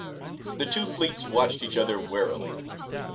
The two fleets watched each other warily.